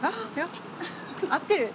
合ってる？